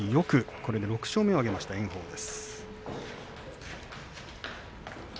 これで６勝目を挙げました炎鵬です。